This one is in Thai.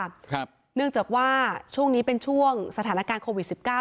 ครับเนื่องจากว่าช่วงนี้เป็นช่วงสถานการณ์โควิดสิบเก้า